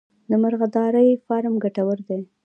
د مرغدارۍ فارم ګټور دی؟